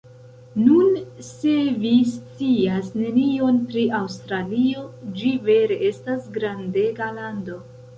Nun, se vi scias nenion pri Aŭstralio, ĝi vere estas grandega lando.